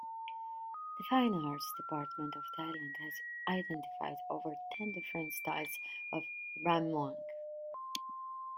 The fine arts department of Thailand has identified over ten different styles of "ramwong".